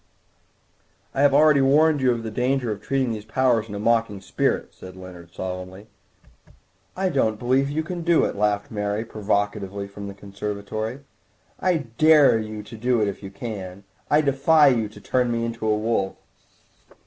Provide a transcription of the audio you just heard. "I have already warned you of the danger of treating these powers in a mocking spirit," said Leonard solemnly. "I don't believe you can do it," laughed Mary provocatively from the conservatory; "I dare you to do it if you can. I defy you to turn me into a wolf."